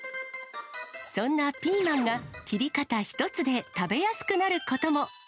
そんなピーマンが、切り方一つで食べやすくなることも。